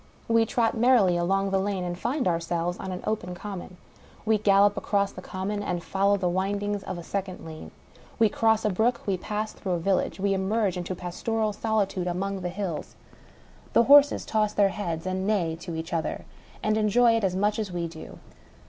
We trot merrily along the lane, and find ourselves on an open common. We gallop across the common, and follow the windings of a second lane. We cross a brook, we pass through a village, we emerge into pastoral solitudfe among the hills. The horses toss their heads, and neigh to each other, and enjoy it as much as we do.